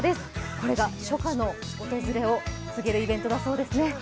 これが初夏の訪れを告げるイベントだそうですね。